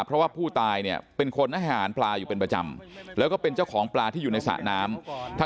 เพราะว่าผู้ตายเนี่ยเป็นคนอาหารปลาอยู่เป็นประจำแล้วก็เป็นเจ้าของปลาที่อยู่ในสระน้ำ